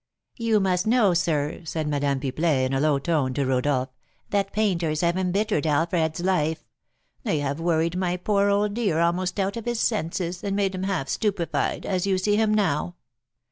"You must know, sir," said Madame Pipelet, in a low tone, to Rodolph, "that painters have embittered Alfred's life; they have worried my poor old dear almost out of his senses, and made him half stupefied, as you see him now."